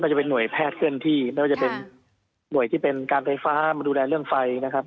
จะเป็นห่วยแพทย์เคลื่อนที่ไม่ว่าจะเป็นหน่วยที่เป็นการไฟฟ้ามาดูแลเรื่องไฟนะครับ